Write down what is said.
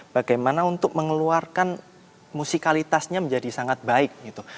bagaimana untuk mengeluarkan musikalitasnya menjadi sangat baik gitu